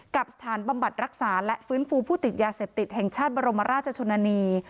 กับสถานบำบัดรักษาและฟื้นฟูผู้ติดยาเสพติดแห่งชาติบรมราชชนนานี